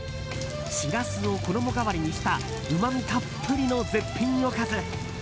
しらすを衣代わりにしたうまみたっぷりの絶品おかず。